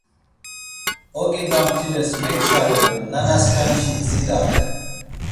Oge damtires mekçare do nanasǩanişi dzirare!